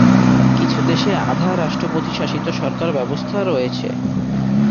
কিছু দেশে আধা-রাষ্ট্রপতিশাসিত সরকার ব্যবস্থা রয়েছে।